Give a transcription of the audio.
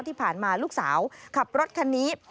ที่ผ่านมาลูกสาวขับรถคันนี้